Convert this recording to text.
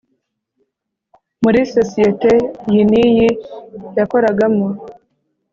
Muri sosiyete iyi n iyi yakoragamo